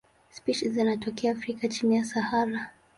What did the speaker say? Spishi za zinatokea Afrika chini ya Sahara.